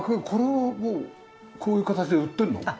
これはもうこういう形で売ってるの？